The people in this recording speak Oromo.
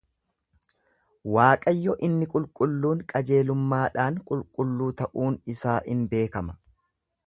Waaqayyo inni qulqulluun qajeelummaadhaan qulqulluu ta'uun isaa in beekama.